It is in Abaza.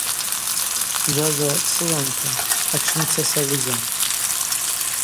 Гвжважваракӏ сыланта – атшымца сагӏвызан.